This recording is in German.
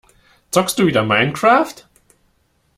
Zockst du wieder Minecraft?